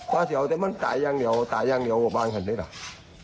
ก็จะแสดงว่าการตายแห่งเดียวกว่าบางคนเลยหรอก